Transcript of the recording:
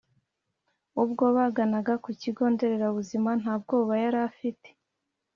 ubwo baganaga ku kigo nderabuzima nta bwoba yarafite